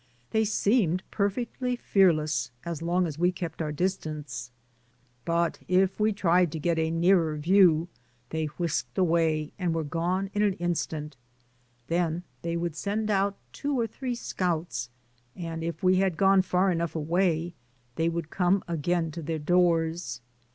They seemed perfectly fearless as long as we kept our distance, but if we tried to get a nearer view, they whisked away, and were gone in an instant ; then they would send out two or three scouts, and if we had gone far enough away, they would come again to their doors.